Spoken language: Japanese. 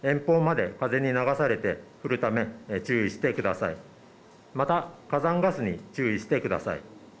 また火山ガスに注意してください。